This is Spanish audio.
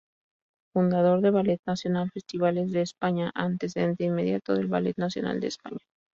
Fundador del Ballet Nacional Festivales de España, antecedente inmediato del Ballet Nacional de España.